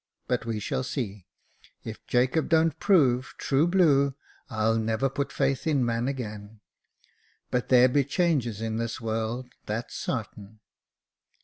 But we shall see. If Jacob don't prove ' true blue,' I'll never put faith in man again. But there be changes in this world, that's sartin.